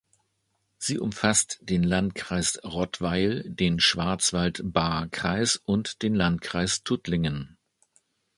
Sie umfasst den Landkreis Rottweil, den Schwarzwald-Baar-Kreis und den Landkreis Tuttlingen.